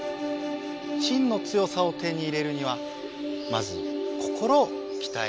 しんの強さを手に入れるにはまず心をきたえるんだ。